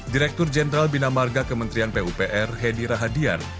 direktur jenderal bina marga kementerian pupr hedi rahadian